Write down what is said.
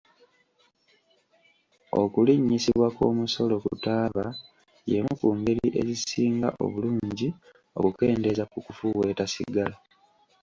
Okulinyisibwa kw'omusolo ku taaba y'emu ku ngeri ezisinga obulungi okukendeeza ku kufuweeta sigala.